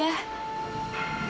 iya sih mila tapi